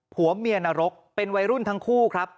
ผัวเมียนรกเป็นวัยรุ่นทั้งคู่ครับ